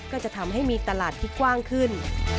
ก็จะทำให้มีตลาดที่กว้างขึ้น